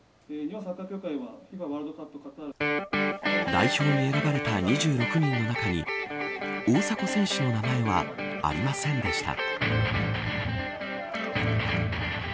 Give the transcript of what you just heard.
代表に選ばれた２６人の中に大迫選手の名前はありませんでした。